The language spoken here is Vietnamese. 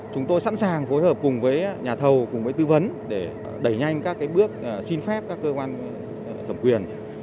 chúng tôi sẵn sàng phối hợp cùng với nhà thầu cùng với tư vấn để đẩy nhanh các bước xin phép các cơ quan thẩm quyền